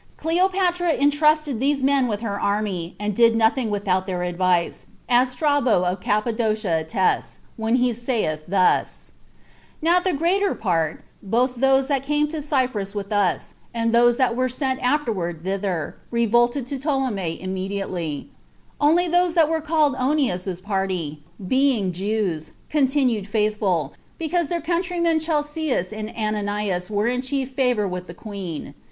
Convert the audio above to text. Cleopatra intrusted these men with her army, and did nothing without their advice, as Strabo of Cappadocia attests, when he saith thus, "Now the greater part, both those that came to Cyprus with us, and those that were sent afterward thither, revolted to Ptolemy immediately; only those that were called Onias's party, being Jews, continued faithful, because their countrymen Chelcias and Ananias were in chief favor with the queen."